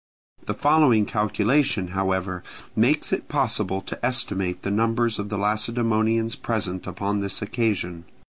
The following calculation, however, makes it possible to estimate the numbers of the Lacedaemonians present upon this occasion.